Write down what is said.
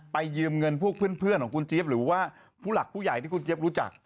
ยืมเงินพวกเพื่อนของคุณเจี๊ยบหรือว่าผู้หลักผู้ใหญ่ที่คุณเจี๊ยบรู้จัก